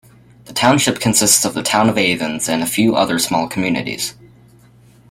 The township consists of the town of Athens and a few other small communities.